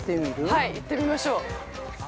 ◆はい、行ってみましょう。